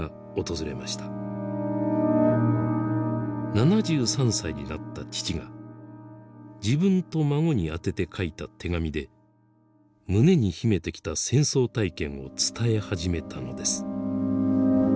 ７３歳になった父が自分と孫に宛てて書いた手紙で胸に秘めてきた戦争体験を伝え始めたのです。